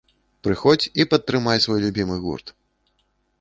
Прыходзь і падтрымай свой любімы гурт!